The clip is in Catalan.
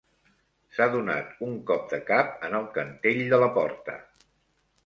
S'ha donat un cop de cap en el cantell de la porta